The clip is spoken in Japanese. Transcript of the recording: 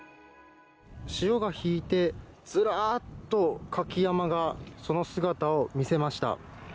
潮が引いてずらっとカキ山がその姿を見せました。